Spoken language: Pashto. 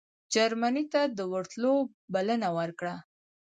جرمني ته د ورتلو بلنه ورکړه.